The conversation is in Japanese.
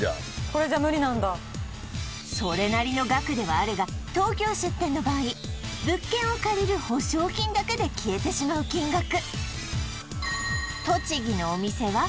これじゃそれなりの額ではあるが東京出店の場合物件を借りる保証金だけで消えてしまう金額